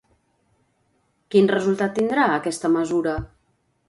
Quin resultat tindrà aquesta mesura?